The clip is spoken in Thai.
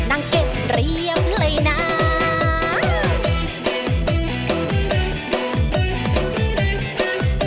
นางเก็บเรียบเลยนาง